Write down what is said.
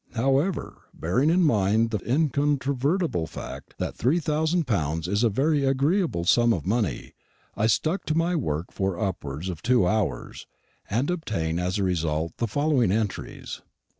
However, bearing in mind the incontrovertible fact that three thousand pounds is a very agreeable sum of money, I stuck to my work for upwards of two hours, and obtained as a result the following entries: "1.